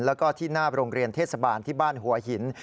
แล้วก็ที่หน้าโรงเรียนเทศบาลที่บ้านหัวหิน